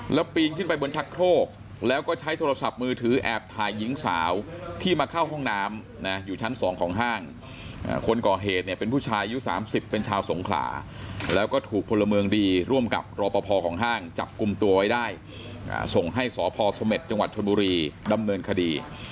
แล้วปีนขึ้นไปบนชักโครกแล้วก็ใช้โทรศัพท์มือถือแอบถ่ายหญิงสาวที่มาเข้าห้องน้ำนะอยู่ชั้น๒ของห้างคนก่อเหตุเนี่ยเป็นผู้ชายอายุ๓๐เป็นชาวสงขลาแล้วก็ถูกพลเมืองดีร่วมกับรอปภของห้างจับกลุ่มตัวไว้ได้ส่งให้สพสเม็ดจังหวัดชนบุรีดำเนินคดี